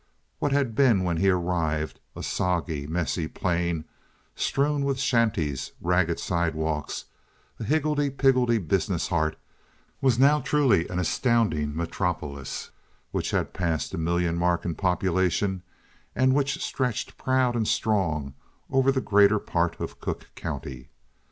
What had been when he arrived a soggy, messy plain strewn with shanties, ragged sidewalks, a higgledy piggledy business heart, was now truly an astounding metropolis which had passed the million mark in population and which stretched proud and strong over the greater part of Cook County.